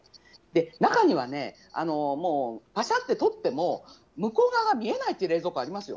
中には、ぱしゃって撮っても、向こう側が見えないっていう冷蔵庫ありますよ。